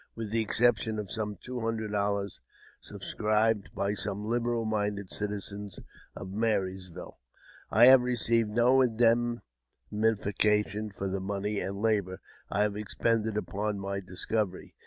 With the exception of some two hundred dollars subscribed by some liberal minded citizens of Marysville, I have received no indemnification for the money and labour I have expended upon ^my discovery.